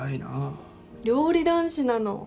料理男子なの。